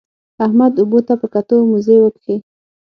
احمد اوبو ته په کتو؛ موزې وکښې.